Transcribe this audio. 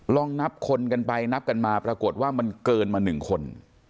ลองนับคนกันไปนับกันมาปรากฏว่ามันเกินมา๑คน